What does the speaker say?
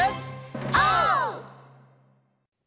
オー！